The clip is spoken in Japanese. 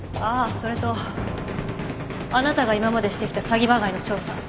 それとあなたが今までしてきた詐欺まがいの調査。